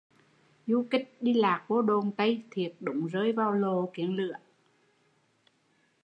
Du kích đi lạc vô đồn Tây, thiệt đúng rơi vào lộ kiến lửa